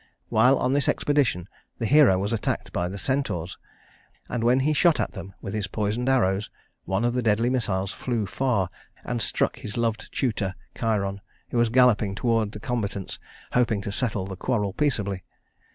While on this expedition, the hero was attacked by the centaurs, and when he shot at them with his poisoned arrows, one of the deadly missiles flew far and struck his loved tutor Chiron, who was galloping toward the combatants, hoping to settle the quarrel peaceably.